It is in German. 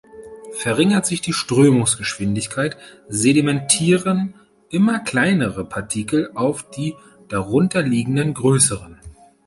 Verringert sich die Strömungsgeschwindigkeit, sedimentieren immer kleinere Partikel auf die darunterliegenden größeren.